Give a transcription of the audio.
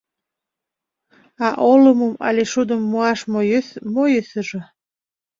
А олымым але шудым муаш мо йӧсыжӧ?